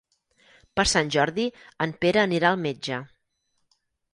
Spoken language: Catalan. Per Sant Jordi en Pere anirà al metge.